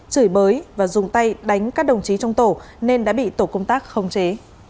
chửi bới và dùng tay đánh các đồng chí trong tổ nên đã bị tổ công tác khống chế